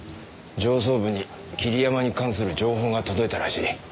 上層部に桐山に関する情報が届いたらしい。